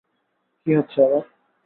কী হচ্ছে আবার?